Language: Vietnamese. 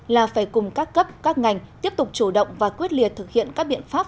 là phải cùng các cấp các ngành tiếp tục chủ động và quyết liệt thực hiện các biện pháp